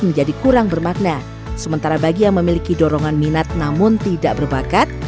menjadi kurang bermakna sementara bagi yang memiliki dorongan minat namun tidak berbakat